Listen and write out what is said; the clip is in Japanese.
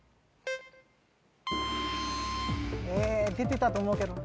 ［ええ出てたと思うけどな］